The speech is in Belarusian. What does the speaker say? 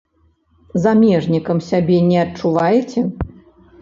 Замежнікам сябе не адчуваеце?